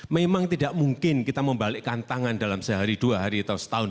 memang tidak mungkin kita membalikkan tangan dalam sehari dua hari atau setahun